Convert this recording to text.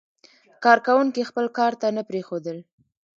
کارکوونکي خپل کار ته نه پرېښودل.